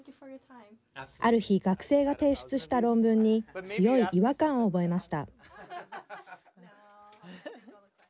ある日、学生が提出した論文に強い違和感を覚えました。